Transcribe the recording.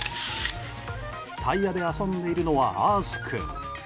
タイヤで遊んでいるのはアース君。